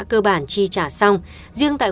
cơ bản chi trả xong riêng tại